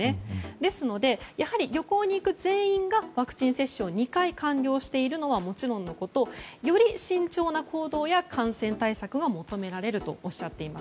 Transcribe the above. ですので、旅行に行く全員がワクチン接種を２回、完了しているのはもちろんのことより慎重な行動や感染対策が求められるとおっしゃっています。